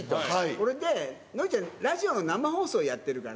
それでのりちゃん、ラジオの生放やってます。